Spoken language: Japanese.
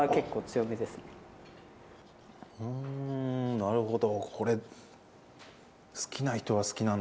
なるほど。